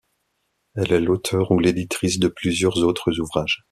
Elle est l’auteur ou l’éditrice de plusieurs autres ouvrages.